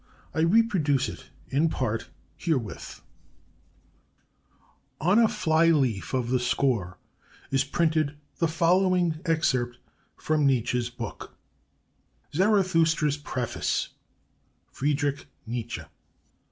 I reproduce it, in part, herewith: "On a fly leaf of the score is printed the following excerpt from Nietzsche's book: "'ZARATHUSTRA'S PREFACE' (Friedrich Nietzsche).